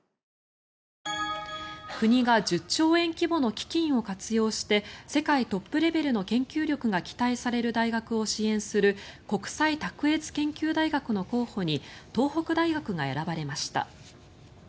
国が１０兆円規模の基金を活用して世界トップレベルの研究力が期待される大学を支援する国際卓越研究大学の候補に東北大学が選ばれました。